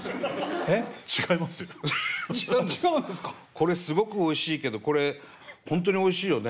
これすごくおいしいけどこれ本当においしいよね。